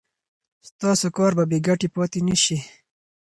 ستاسو کار به بې ګټې پاتې نشي.